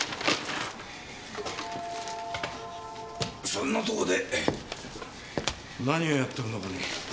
そんなとこで何をやってるのかね。